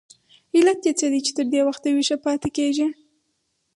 علت یې څه دی چې تر ډېره وخته ویښه پاتې کیږي؟